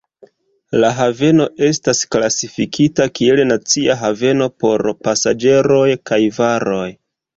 La haveno estas klasifikita kiel nacia haveno por pasaĝeroj kaj varoj.